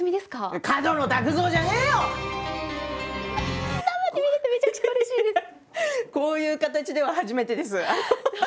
こういう形では初めてです。